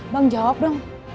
bang jawab dong